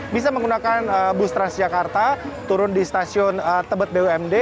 bisa menggunakan bus transjakarta turun di stasiun tebet bumd